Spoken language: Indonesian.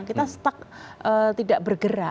kita tetap tidak bergerak